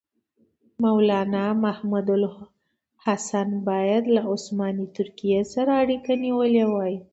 مولنا محمودالحسن باید له عثماني ترکیې سره اړیکه نیولې وای.